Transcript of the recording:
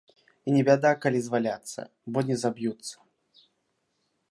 І не бяда, калі зваляцца, бо не заб'юцца.